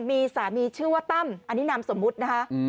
มีสามีชื่อว่าตั้มอันนี้นามสมมุตินะคะ